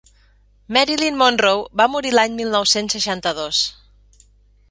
Marilyn Monroe va morir l'any mil nou-cents seixanta-dos.